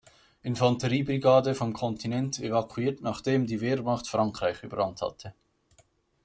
Infanteriebrigade vom Kontinent evakuiert, nachdem die Wehrmacht Frankreich überrannt hatte.